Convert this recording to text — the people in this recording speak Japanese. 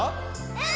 うん！